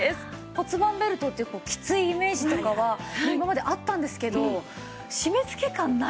骨盤ベルトってきついイメージとかは今まであったんですけど締めつけ感ないですよね。